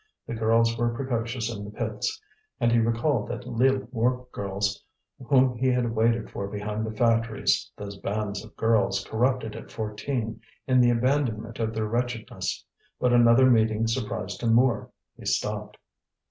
The girls were precocious in the pits; and he recalled the Lille work girls whom he had waited for behind the factories, those bands of girls, corrupted at fourteen, in the abandonment of their wretchedness. But another meeting surprised him more. He stopped.